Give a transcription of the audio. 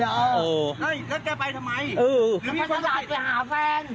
เฮ้ยแล้วแกไปทำไมแล้วมีคนไลน์ไปหาแฟน